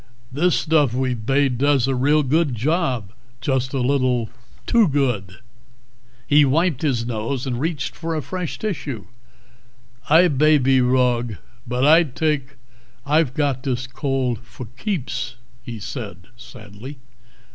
"This stuff we've bade does a real good job. Just a little too good." He wiped his nose and reached for a fresh tissue. "I bay be wrog, but I thik I've got this cold for keeps," he said sadly.